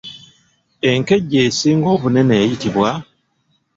Enkejje esinga obunene eyitibwa?